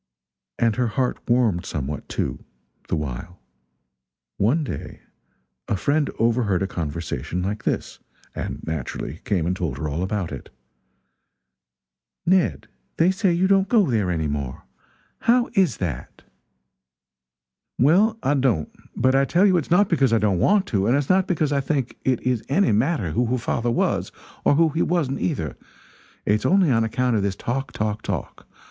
And her heart warmed somewhat, too, the while. One day a friend overheard a conversation like this: and naturally came and told her all about it: "Ned, they say you don't go there any more. How is that?" "Well, I don't; but I tell you it's not because I don't want to and it's not because I think it is any matter who her father was or who he wasn't, either; it's only on account of this talk, talk, talk.